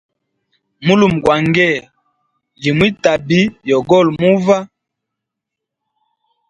Mulume gwa ngee li mwi tabi yogoli muva.